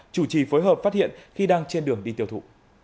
chủ trì phối hợp phát hiện khi đang trên đường đi tiểu thu